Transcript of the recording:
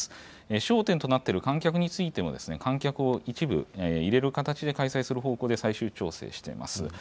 焦点となっている観客についても、観客を一部入れる形で開催する方向で最終調整しています。